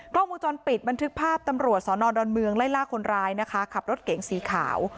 กล้องวงจรปิดบันทึกภาพตำรวจสอนอดอนเมืองไล่ล่าคนร้ายนะคะขับรถเก๋งสีขาว